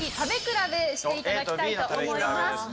していただきたいと思います。